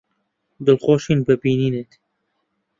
دڵخۆشین بە بینینت.